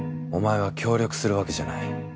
おまえは協力するわけじゃない。